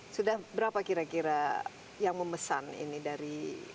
sudah berapa kira kira yang memesan ini dari